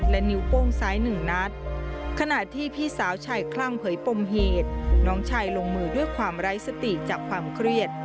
และนิ้วโป้งซ้าย๑นัด